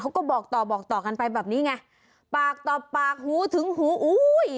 เขาก็บอกต่อบอกต่อกันไปแบบนี้ไงปากต่อปากหูถึงหูอุ้ย